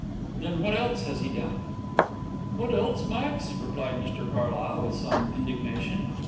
Then what else has he done?" "What else, Max?" replied Mr Carlyle, with some indignation.